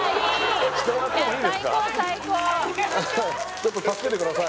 ちょっと助けてください